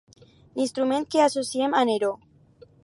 L'instrument que associem a Neró.